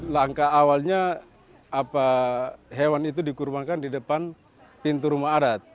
langkah awalnya hewan itu dikurbankan di depan pintu rumah adat